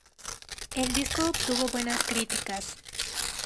El disco obtuvo buenas críticas.